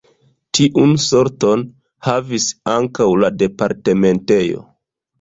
Tiun sorton havis ankaŭ la departementejo.